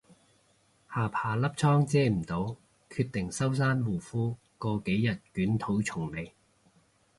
下巴粒瘡遮唔到，決定收山護膚過幾日捲土重來